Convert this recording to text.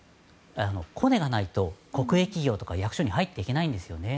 コネがないと国営企業とか役所に入っていけないんですよね。